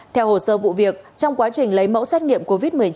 theo hồ sơ vụ việc trong quá trình lấy mẫu xét nghiệm covid một mươi chín